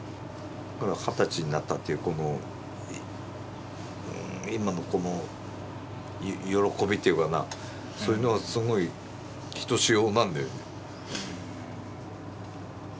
だから二十歳になったっていうこの今のこの喜びっていうかなそういうのはすごくひとしおなんだよね。